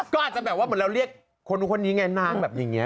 ก็อาจจะแบบว่าเหมือนเราเรียกคนนู้นคนนี้ไงนางแบบอย่างนี้